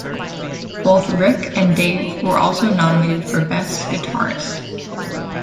Both Rik and Dave were also nominated for "Best Guitarist".